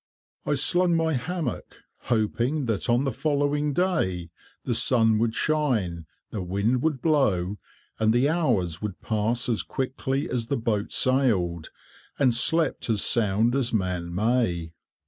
I slung my hammock, hoping that on the following day the sun would shine, the wind would blow, and the hours would pass as quickly as the boat sailed, and slept as sound as man may.